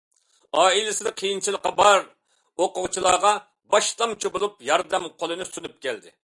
ئائىلىسىدە قىيىنچىلىقى بار ئوقۇغۇچىلارغا باشلامچى بولۇپ ياردەم قولىنى سۇنۇپ كەلدى.